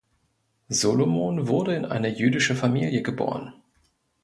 Solomon wurde in eine jüdische Familie geboren.